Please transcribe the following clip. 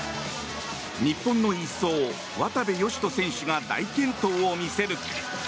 日本の１走、渡部善斗選手が大健闘を見せる。